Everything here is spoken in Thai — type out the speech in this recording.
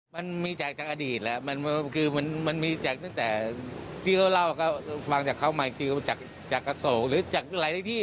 มันมีจากอดีตแล้วมันมีจากตั้งแต่ที่เขาเล่าฟังจากเขามาจากส่งหรือจากหลายที่